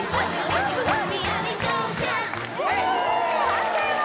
判定は？